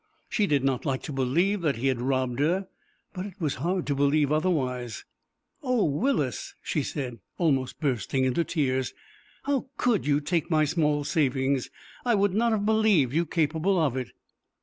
She did not like to believe that he had robbed her, but it was hard to believe otherwise. "Oh, Willis!" she said almost bursting into tears, "how could you take my small savings? I would not have believed you capable of it!"